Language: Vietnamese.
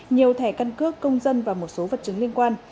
nhiều thẻ căn cước công dân và một số vật chứng liên quan